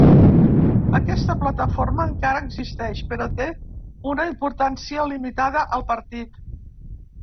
Aquesta plataforma encara existeix, però té una importància limitada al partit.